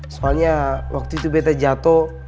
soalnya waktu itu bete jatuh